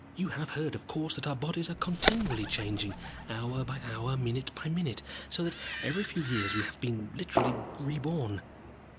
"You have heard, of course, that our bodies are continually changing, hour by hour, minute by minute, so that every few years we have been literally reborn.